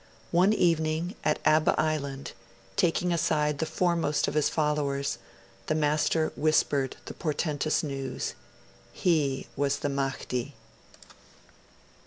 One evening, at Abba Island, taking aside the foremost of his followers, the Master whispered the portentous news. He was the Mahdi.